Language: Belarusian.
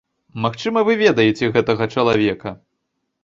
Магчыма, вы ведаеце гэтага чалавека.